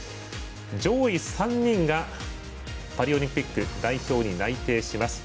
上位３人がパリオリンピック代表に内定します。